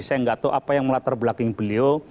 saya enggak tahu apa yang melatar belaking beliau